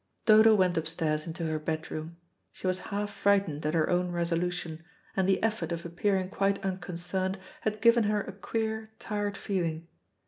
Dodo went upstairs into her bedroom. She was half frightened at her own resolution, and the effort of appearing quite unconcerned had given her a queer, tired feeling.